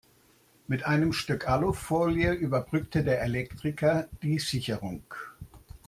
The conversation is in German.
Mit einem Stück Alufolie überbrückte der Elektriker die Sicherung.